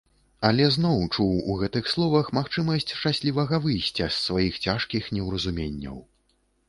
Але зноў чуў у гэтых словах магчымасць шчаслівага выйсця з сваіх цяжкіх неўразуменняў.